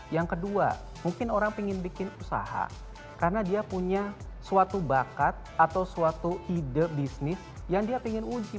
yang kedua mungkin orang ingin bikin usaha karena dia punya suatu bakat atau suatu ide bisnis yang dia ingin uji